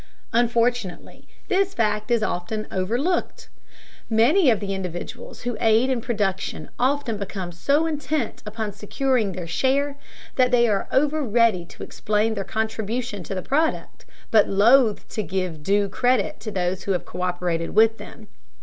Unfortunately, this fact is often overlooked. Many of the individuals who aid in production often become so intent upon securing their share, that they are over ready to explain their contribution to the product, but loath to give due credit to those who have co÷perated with them.